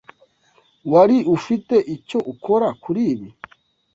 Wari ufite icyo ukora kuri ibi?